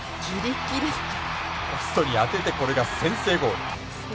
ポストに当ててこれが先制ゴール。